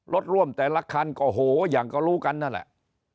รถร่วมแต่ละคันก็โหอย่างก็รู้กันนั่นแหละ